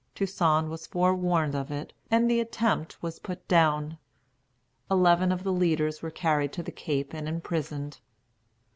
Toussaint was forewarned of it, and the attempt was put down. Eleven of the leaders were carried to the Cape and imprisoned.